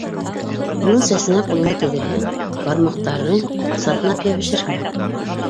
Уның сәсенә ҡулыңды тейҙерһәң, бармаҡтарың сатнап йәбешер һымаҡ.